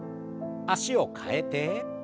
脚を替えて。